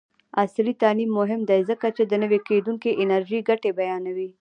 عصري تعلیم مهم دی ځکه چې د نوي کیدونکي انرژۍ ګټې بیانوي.